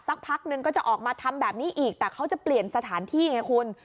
พักนึงก็จะออกมาทำแบบนี้อีกแต่เขาจะเปลี่ยนสถานที่ไงคุณ